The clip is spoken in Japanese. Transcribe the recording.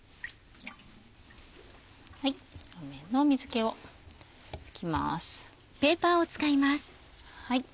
表面の水気を拭きます。